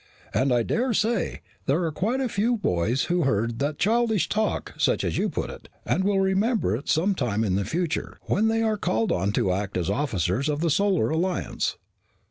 And, I dare say, there are quite a few boys who heard that childish talk, as you put it, and will remember it some time in the future when they are called on to act as officers of the Solar Alliance."